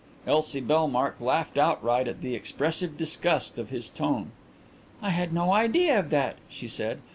Elsie Bellmark laughed outright at the expressive disgust of his tone. "I had no idea of that," she said.